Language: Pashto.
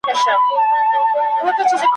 محتسب به رنځ وهلی په حجره کي پروت بیمار وي !.